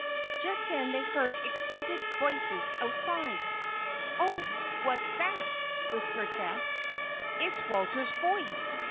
Just then they heard excited voices outside. "Oh! what's that?" whispered Bess. "It's Walter's voice!"